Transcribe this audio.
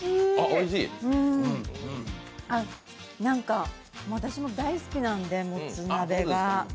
おいしい、何か私も大好きなんで、もつ鍋が。